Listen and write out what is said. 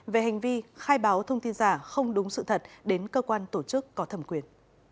về hành vi khai báo thông tin giả không đúng sự thật đến cơ quan tổ chức có thẩm quyền